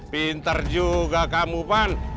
pinter juga kamu pan